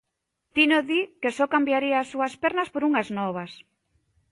Tino di que só cambiaría as súas pernas por unhas novas.